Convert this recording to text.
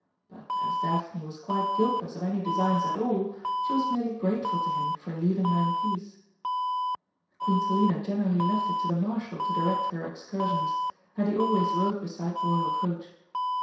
But as Daphne was quite guiltless of any designs at all, she was merely grateful to him for leaving her in peace. Queen Selina generally left it to the Marshal to direct her excursions, and he always rode beside the Royal coach.